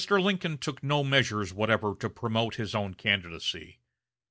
Lincoln took no measures whatever to promote his own candidacy.